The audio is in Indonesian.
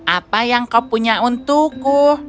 apa yang kau punya untukku